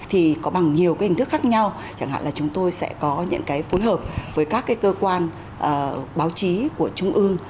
thì có bằng nhiều cái hình thức khác nhau chẳng hạn là chúng tôi sẽ có những cái phối hợp với các cái cơ quan báo chí của trung ương